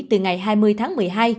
từ ngày hai mươi tháng một mươi hai